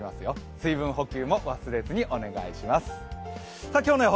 水分補給も忘れずにお願いします。